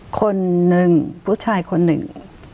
คนหนึ่งผู้ชายคนหนึ่ง